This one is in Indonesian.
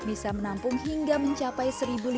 bisa menampung hingga mencapai satu lima ratus